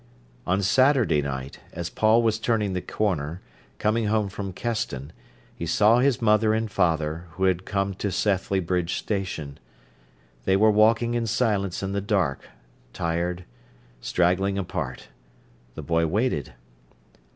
On Saturday night, as Paul was turning the corner, coming home from Keston, he saw his mother and father, who had come to Sethley Bridge Station. They were walking in silence in the dark, tired, straggling apart. The boy waited.